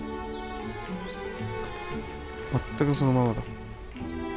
全くそのまんまだ。